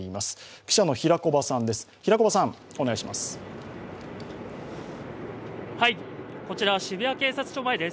記者の平木場さんです。